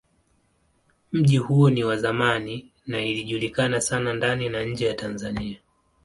Mji huo ni wa zamani na ilijulikana sana ndani na nje ya Tanzania.